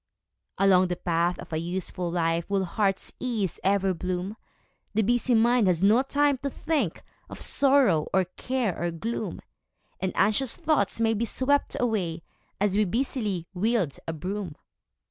Along the path of a useful life Will heart's ease ever bloom; The busy mind has no time to think Of sorrow, or care, or gloom; And anxious thoughts may be swept away As we busily wield a broom.